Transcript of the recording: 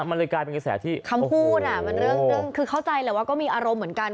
มันเลยกลายเป็นกระแสที่คำพูดอ่ะมันเรื่องคือเข้าใจแหละว่าก็มีอารมณ์เหมือนกัน